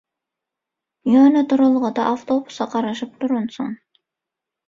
Ýöne duralga-da awtobusa garaşyp duransyň.